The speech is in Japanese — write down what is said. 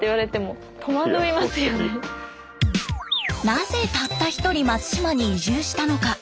なぜたった１人松島に移住したのか？